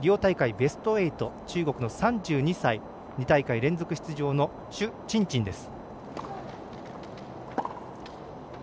ベスト８の中国の３２歳２大会連続出場の朱珍珍です。